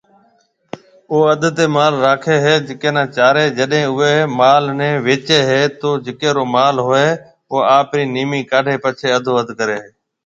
او اڌ تيَ مال راکيَ ھيََََ جڪيَ نيَ چارَي جڏَي اوئيَ مال نيَ وچيَ ھيََََ تو جڪيَ رو مال ھوئيَ ھيََََ او آپرِي نيمي ڪاڊَي پڇيَ اڌو اڌ ڪرَي ھيَََ